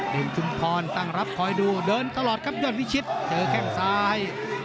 ชุมพรตั้งรับคอยดูเดินตลอดครับยอดวิชิตเจอแข้งซ้าย